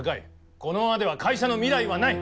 このままでは会社の未来はない。